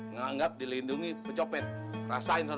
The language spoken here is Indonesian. nganggap dilindungi pencopet rasain tuhan